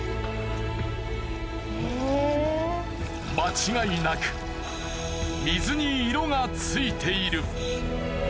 間違いなく水に色がついている。